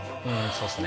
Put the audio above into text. そうです。